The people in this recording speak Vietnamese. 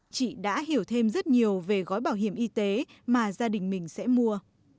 chị đã hiểu thêm rất nhiều về gói bảo hiểm y tế mà gia đình mình sẽ mua